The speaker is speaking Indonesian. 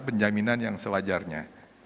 penjaminan yang sewajarnya